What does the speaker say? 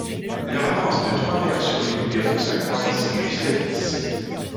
Leur avance de trois maires sur les libéraux s'accroît ainsi jusqu'à dix.